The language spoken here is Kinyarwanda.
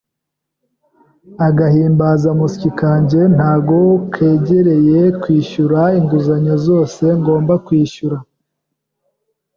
Agahimbazamusyi kanjye ntago kegereye kwishyura inguzanyo zose ngomba kwishyura.